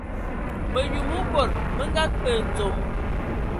Mənyu mə bod mə nga kpe ndzom.